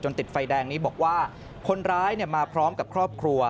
ติดไฟแดงนี้บอกว่าคนร้ายมาพร้อมกับครอบครัว